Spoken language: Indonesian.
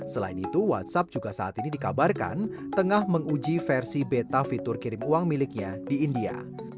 selain itu whatsapp juga saat ini dikabarkan tengah menguji versi beta fitur kirim uang miliknya di india